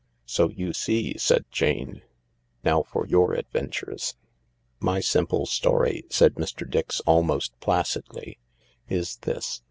" So you see," said Jane. "Now for your adventures." "My simple story," said Mr. Dix, almost placidly, "is this.